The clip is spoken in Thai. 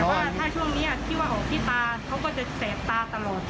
ว่าถ้าช่วงนี้ที่ว่าออกที่ตาเขาก็จะแสบตาตลอด